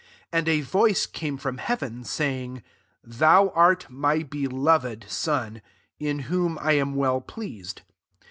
11 And a voice came from hea ven, sayingj " Thou art my be loved son, in whom I am well pleased."